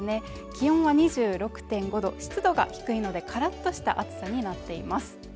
気温は２６．５度湿度が低いのでからっとした暑さになっています